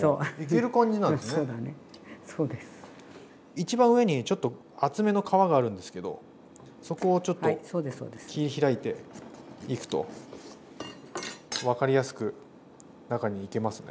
一番上にちょっと厚めの皮があるんですけどそこをちょっと切り開いていくと分かりやすく中にいけますね。